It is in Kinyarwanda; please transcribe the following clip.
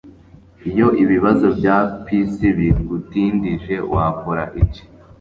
Iyo ibibazo bya PC bigutindije wakora iki